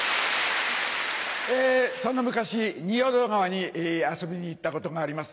その昔仁淀川に遊びに行ったことがあります。